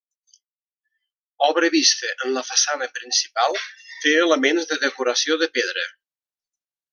Obra vista en la façana principal, té elements de decoració de pedra.